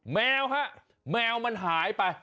แมวฮะแมวมันหายไป